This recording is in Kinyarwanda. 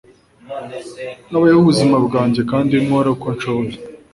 Nabayeho ubuzima bwanjye kandi nkora uko nshoboye